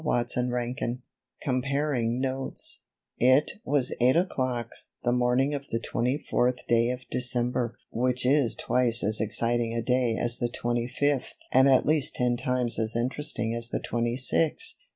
CHAPTER XXV Comparing Notes IT was eight o'clock, the morning of the twenty fourth day of December, which is twice as exciting a day as the twenty fifth and at least ten times as interesting as the twenty sixth.